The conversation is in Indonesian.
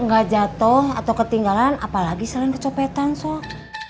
nggak jatuh atau ketinggalan apalagi selain kecopetan sok